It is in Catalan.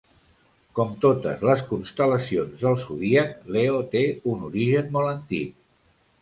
Com totes les constel·lacions del Zodíac, Leo té un origen molt antic.